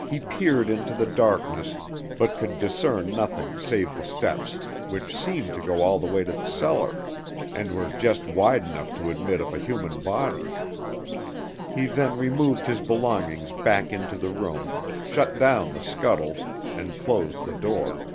He peered into the darkness, but could discern nothing save the steps, which seemed to go all the way to the cellar, and were just wide enough to admit of a human body. He then removed his belongings back into the room, shut down the scuttle, and closed the door.